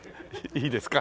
いいですか？